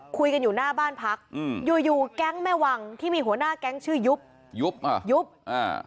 คุยกันอยู่หน้าบ้านพักอืมอยู่อยู่แก๊งแม่วังที่มีหัวหน้าแก๊งชื่อยุบยุบอ่ะยุบอ่า